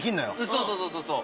そうそうそうそう！